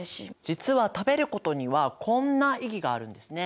実は食べることにはこんな意義があるんですね。